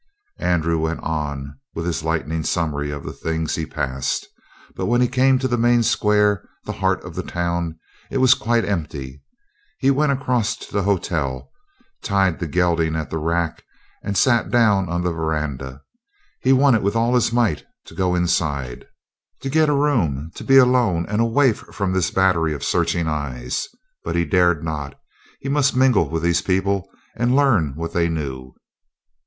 Andrew went on with his lightning summary of the things he passed. But when he came to the main square, the heart of the town, it was quite empty. He went across to the hotel, tied the gelding at the rack, and sat down on the veranda. He wanted with all his might to go inside, to get a room, to be alone and away from this battery of searching eyes. But he dared not. He must mingle with these people and learn what they knew.